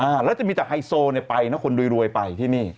หรือจะมีแต่ไฮโซลไปคนรวยไป